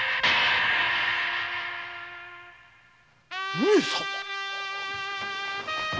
上様！